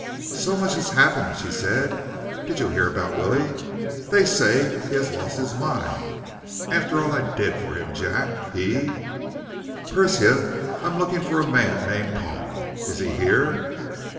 "So much has happened!" she said. "Did you hear about Willie? They say he has lost his mind. After all I did for him, Jack, he " "Persia, I'm looking for a man named Palma. Is he here?"